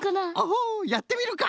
ホホやってみるか！